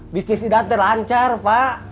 bisnis idante lancar pak